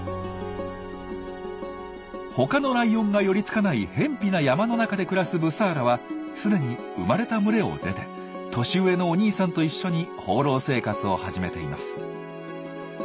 他のライオンが寄りつかないへんぴな山の中で暮らすブサーラはすでに生まれた群れを出て年上のお兄さんと一緒に放浪生活を始めています。